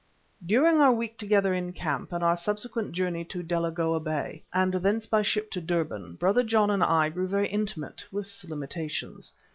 During our week together in camp and our subsequent journey to Delagoa Bay and thence by ship to Durban, Brother John and I grew very intimate, with limitations.